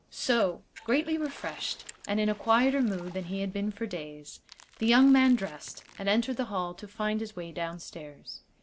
So, greatly refreshed, and in a quieter mood than he had been for days, the young man dressed and entered the hall to find his way downstairs.